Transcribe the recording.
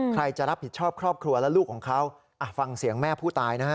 ใครจะรับผิดชอบครอบครัวและลูกของเขาฟังเสียงแม่ผู้ตายนะฮะ